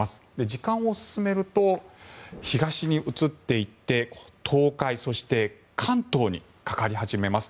時間を進めると東に移っていって東海・関東にかかり始めます。